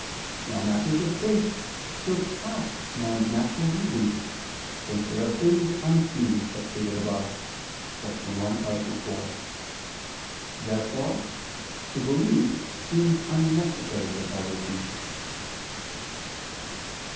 Now matters of faith, surpass man's natural reason, since they are things unseen as stated above (Q. 1, A. 4). Therefore to believe seems unnecessary for salvation.